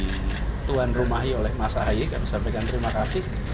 di tuan rumahi oleh mas ahaya kami sampaikan terima kasih